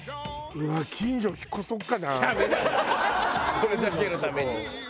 これだけのために。